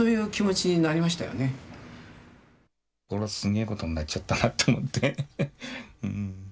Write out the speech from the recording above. こらすげえことになっちゃったなと思って。